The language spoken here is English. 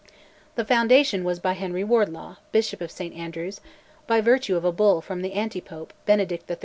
The foundation was by Henry Wardlaw, Bishop of St Andrews, by virtue of a bull from the anti pope Benedict XIII.